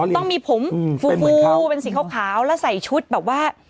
ต้องมีผมฟูเป็นสีขาวแล้วใส่ชุดแบบว่า